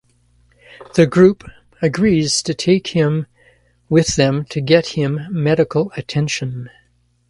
The group agrees to take him with them to get him medical attention.